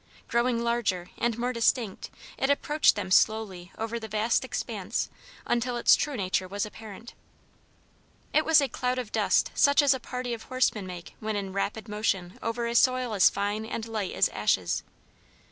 Growing larger and more distinct it approached them slowly over the vast expanse until its true nature was apparent. It was a cloud of dust such as a party of horsemen make when in rapid motion over a soil as fine and light as ashes.